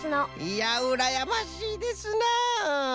いやうらやましいですな！